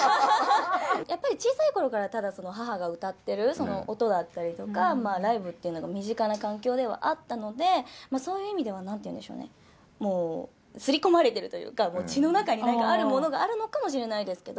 やっぱり小さいころからたぶん、母が歌っているその音だったりとか、ライブっていうのが身近な環境ではあったので、そういう意味では、なんていうんでしょうね、もうすり込まれているというか、血の中に何かあるものがあるのかもしれないですけど。